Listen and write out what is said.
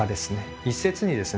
一説にですね